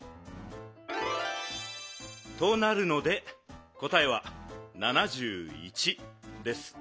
となるのでこたえは７１です。